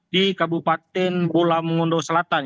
di kabupaten pulau mengunduh selatan